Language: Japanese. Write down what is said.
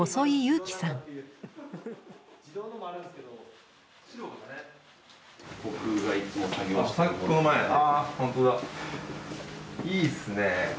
いいっすね。